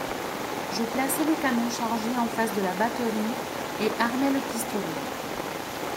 Je plaçai le canon chargé en face de la batterie, et armai le pistolet.